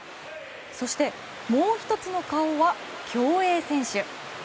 そして、もう１つの顔は競泳選手。